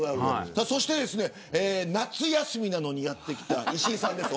そして、夏休みなのにやって来た石井さんです。